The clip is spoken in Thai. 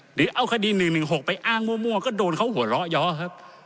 หรือเอาคดี๑๑๖ไปอ้างมั่วก็โดนเขาหัวเราะย้อครับ